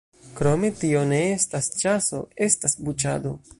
Krome, tio ne estas ĉaso: estas buĉado.